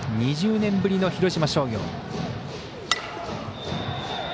２０年ぶりの広島商業。